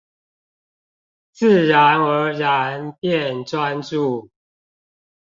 自然而然變專注